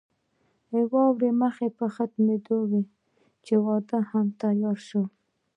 واوره مخ په ختمېدو وه چې واده هم تيار شو.